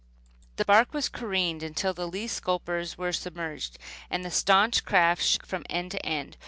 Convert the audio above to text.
The bark was careened until the lee scuppers were submerged; and the staunch craft shook from end to end.